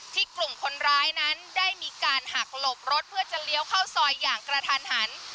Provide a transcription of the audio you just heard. กลุ่มคนร้ายนั้นได้มีการหักหลบรถเพื่อจะเลี้ยวเข้าซอยอย่างกระทันหัน